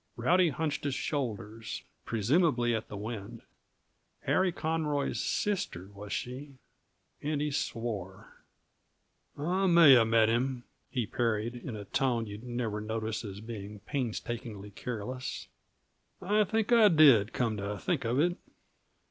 Rowdy hunched his shoulders presumably at the wind. Harry Conroy's sister, was she? And he swore. "I may have met him," he parried, in a tone you'd never notice as being painstakingly careless. "I think I did, come to think of it."